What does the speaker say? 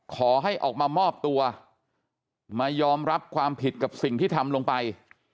ขอให้ออกมามอบตัวมายอมรับความผิดกับสิ่งที่ทำลงไป